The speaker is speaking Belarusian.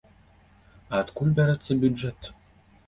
А адкуль бярэцца бюджэт?